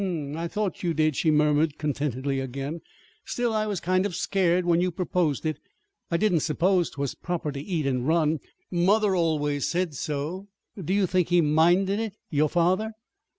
"Hm m; I thought you did," she murmured contentedly again. "Still, I was kind of scared when you proposed it. I didn't suppose 'twas proper to eat and run. Mother always said so. Do you think he minded it your father?"